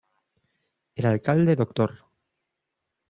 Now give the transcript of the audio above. El alcalde Dr.